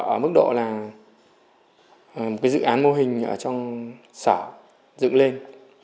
ở mức độ là một dự án mô hình ở trong sở dựng lên